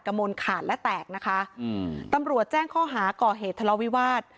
มนต์ขาดและแตกนะคะอืมตำรวจแจ้งข้อหาก่อเหตุทะเลาวิวาส